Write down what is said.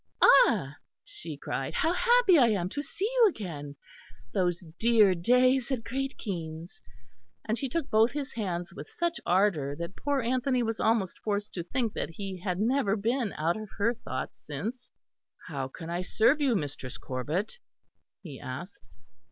"Ah!" she cried, "how happy I am to see you again those dear days at Great Keynes!" And she took both his hands with such ardour that poor Anthony was almost forced to think that he had never been out of her thoughts since. "How can I serve you, Mistress Corbet?" he asked.